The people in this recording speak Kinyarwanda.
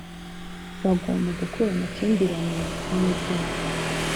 Bagomba gukura amakimbirane mu miryango